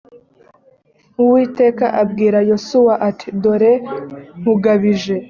uwiteka abwira yosuwa ati “dore nkugabije…”